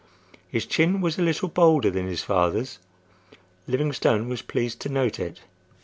His chin was a little bolder than his father's. Livingstone was pleased to note it.